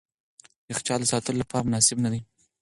یخچال د ساتلو لپاره مناسب نه دی.